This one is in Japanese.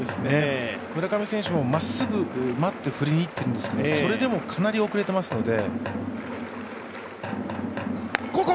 村上選手も、まっすぐを待って振りにいってるんですが、それでもかなり遅れていますので。